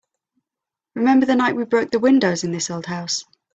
Remember the night we broke the windows in this old house?